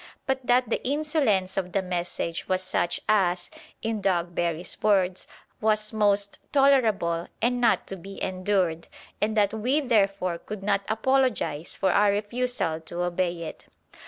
But that the insolence of the message was such as, in Dogberry's words, was "most tolerable and not to be endured"; and that we therefore could not apologise for our refusal to obey it.